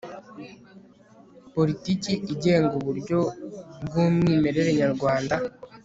politiki igenga uburyo bw'umwimerere nyarwanda